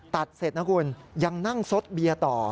ตัดเสร็จนะคุณยังนั่งซดเบียร์ต่อ